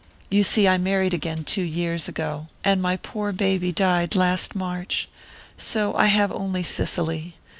You see, I married again two years ago, and my poor baby died last March...so I have only Cicely.